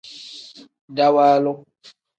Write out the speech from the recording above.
Dawaalu.